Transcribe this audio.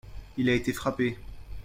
Il a été frappé.